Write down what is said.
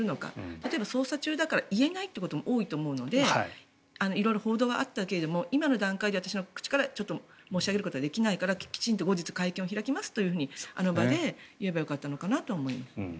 例えば、捜査中だから言えないことも多いと思うので色々報道があったけど今の段階では私の口からはちょっと申し上げることはできないからきちんと、後日会見を開きますとあの場で言えばよかったのかなと思います。